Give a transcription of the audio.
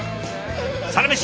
「サラメシ」